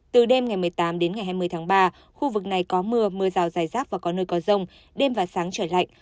từ đêm ngày một mươi tám đến ngày hai mươi tháng ba khu vực này có mưa mưa rào dài rác và có nơi có rông đêm và sáng trời lạnh